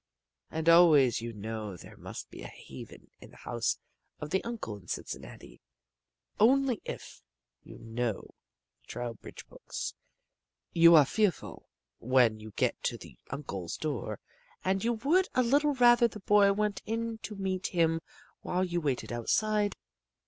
And always you know there must be a haven in the house of the uncle in Cincinnati. Only if you know the Trowbridge books you are fearful when you get to the uncle's door, and you would a little rather the boy went in to meet him while you waited outside.